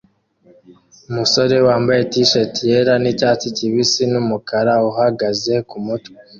umusore wambaye t-shati yera nicyatsi kibisi numukara uhagaze kumutwe